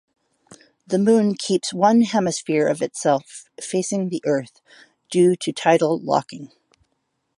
The Moon keeps one hemisphere of itself facing the Earth, due to tidal locking.